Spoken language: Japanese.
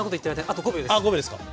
あっ５秒ですか！